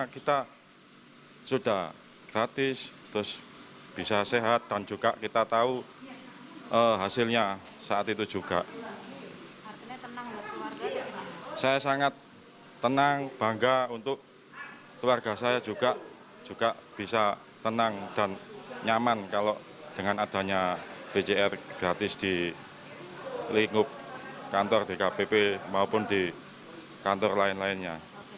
kalau dengan adanya pcr gratis di lingkup kantor dkpp maupun di kantor lain lainnya